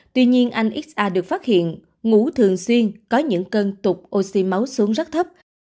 tuy nhiên anh nxa được phát hiện ngủ thường xuyên có những cân tục oxy máu xuống rất thấp